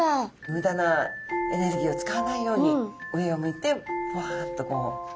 むだなエネルギーを使わないように上を向いてポワンとこう。